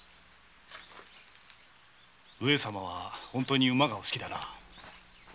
上様は本当に馬がお好きだな。